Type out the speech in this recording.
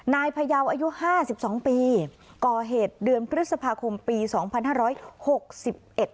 พยาวอายุห้าสิบสองปีก่อเหตุเดือนพฤษภาคมปีสองพันห้าร้อยหกสิบเอ็ด